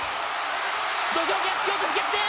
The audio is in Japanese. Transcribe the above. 土俵際、突き落とし、逆転。